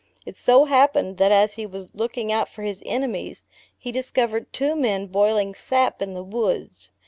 It so happened, that as he was looking out for his enemies, he discovered two men boiling sap in the woods.